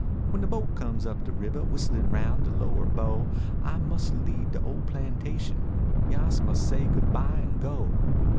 When de boat comes up de ribbah Whistlin roun de lower bow I mus leebe de ole plantation Yas, must say good bye en go."